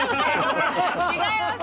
違います！